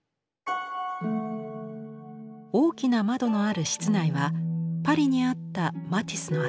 大きな窓のある室内はパリにあったマティスのアトリエです。